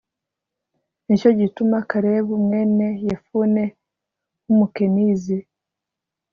ni cyo gituma kalebu, mwene yefune w'umukenizi